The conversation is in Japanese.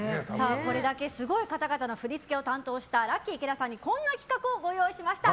これだけすごい方々の振り付けを担当したラッキィ池田さんにこんな企画をご用意しました。